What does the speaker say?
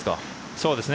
そうですね。